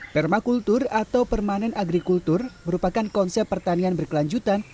permakultur atau permanent agriculture merupakan konsep pertanian berkelanjutan